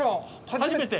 初めて。